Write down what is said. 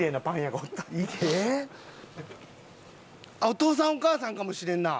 お父さんお母さんかもしれんな。